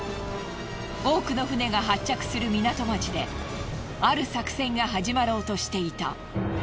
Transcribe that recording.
多くの船が発着する港町である作戦が始まろうとしていた。